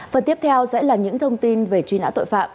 phần tiếp theo sẽ là những thông tin về truy nã tội phạm